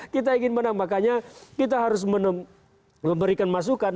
kita ingin menang makanya kita harus memberikan masukan